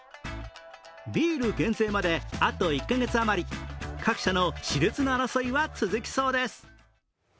ビール減税まであと１か月あまり各社のしれつな争いは続きそうです。